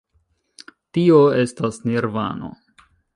Tio estas Nirvano.